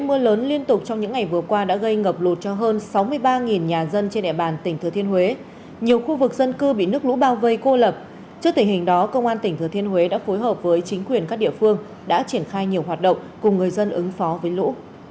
mưa lớn liên tục trong những ngày vừa qua đã gây ngập lụt cho hơn sáu mươi ba nhà dân trên địa bàn tỉnh thừa thiên huế nhiều khu vực dân cư bị nước lũ bao vây cô lập trước tình hình đó công an tỉnh thừa thiên huế đã phối hợp với chính quyền các địa phương đã triển khai nhiều hoạt động cùng người dân ứng phó với lũ